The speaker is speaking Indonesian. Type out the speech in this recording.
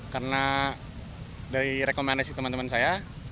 karena dari rekomendasi teman teman saya